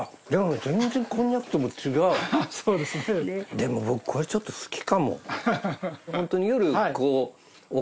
でも僕これちょっと好きかも。